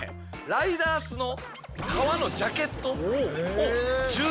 ライダースの革のジャケットを１１万円。